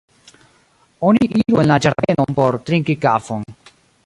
Oni iru en la ĝardenon por trinki kafon.